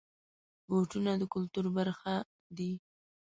بوټونه د کلتور برخه دي.